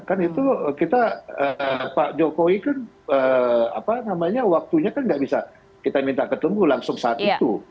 kan itu kita pak jokowi kan waktunya kan nggak bisa kita minta ketemu langsung saat itu